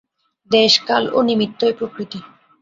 দেশ কাল ও নিমিত্তই প্রকৃতি।